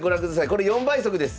これ４倍速です。